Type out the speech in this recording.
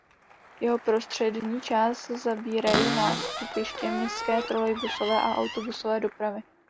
Jeho prostřední část zabírají nástupiště městské trolejbusové a autobusové dopravy.